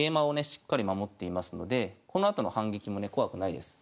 しっかり守っていますのでこのあとの反撃もね怖くないです。